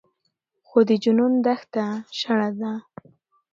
خو د جنون دښته شړه ده